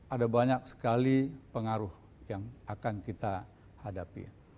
ada banyak sekali pengaruh yang akan kita hadapi